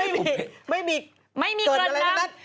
เทพบุภิไม่มีเกิดอะไรนะ